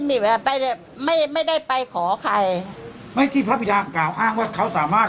มีแบบว่าไปแบบไม่ไม่ได้ไปขอใครไม่ที่พระบิดากล่าวอ้างว่าเขาสามารถ